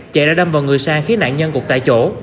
chạy đã đâm vào người sang khiến nạn nhân gục tại chỗ